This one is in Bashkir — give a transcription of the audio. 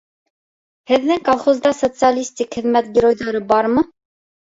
Һеҙҙең колхозда Социалистик Хеҙмәт Геройҙары бармы?